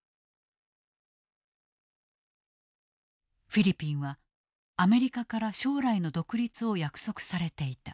フィリピンはアメリカから将来の独立を約束されていた。